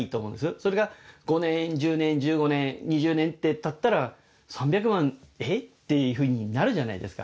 それが５年１０年１５年２０年って経ったら「３００万？えっ？」っていうふうになるじゃないですか。